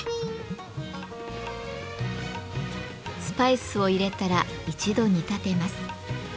スパイスを入れたら一度煮立てます。